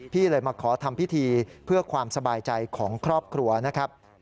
พี่เลยมาขอทำพิธีเพื่อความสบายใจของครอบครัวนะครับ